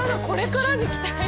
これからに期待。